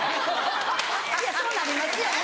いやそうなりますよね。